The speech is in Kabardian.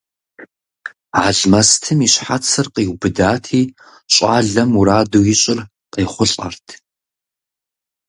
Алмэстым и щхьэцыр къиубыдати, щӀалэм мураду ищӀыр къехъулӀэрт.